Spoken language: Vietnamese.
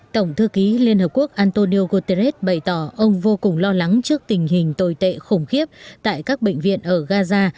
tổng thư ký liên hợp quốc antonio guterres bày tỏ ông vô cùng lo lắng trước tình hình tồi tệ khủng khiếp tại các bệnh viện ở gaza